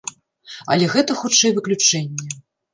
Але гэта, хутчэй, выключэнне.